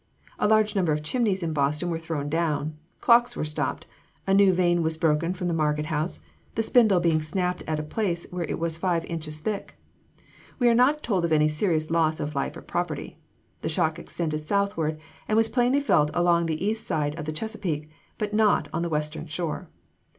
A large number of chimneys in Boston were thrown down; clocks were stopped; a new vane was broken from the market house, the spindle being snapped at a place where it was five inches thick; but we are not told of any serious loss of life or property. The shock extended southward, and was plainly felt along the east side of the Chesapeake, but not on the western shore.